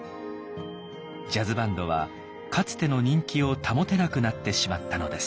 ジャズバンドはかつての人気を保てなくなってしまったのです。